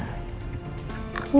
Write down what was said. aku gak mau mak